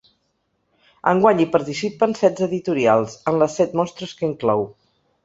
Enguany hi participen setze editorials, en les set mostres que inclou.